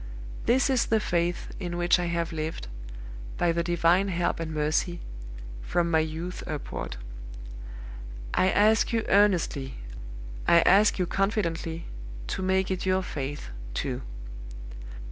"This is the faith in which I have lived, by the Divine help and mercy, from my youth upward. I ask you earnestly, I ask you confidently, to make it your faith, too.